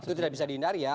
itu tidak bisa dihindari ya